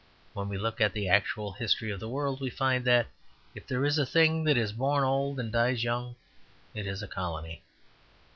When we look at the actual history of the world, we find, that if there is a thing that is born old and dies young, it is a colony.